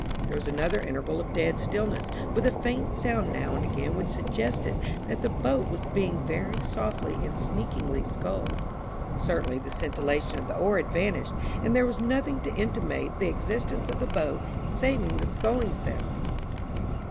There was another interval of dead stillness, with a faint sound now and again which suggested that the boat was being very softly and sneakingly sculled. Certainly the scintillation of the oar had vanished, and there was nothing to intimate the existence of the boat saving the sculling sound.